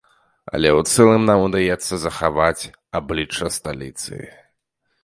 Але ў цэлым нам удаецца захаваць аблічча сталіцы.